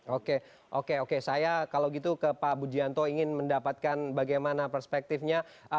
oke oke oke saya kalau gitu ke pak budianto ingin mendapatkan bagaimana perspektifnya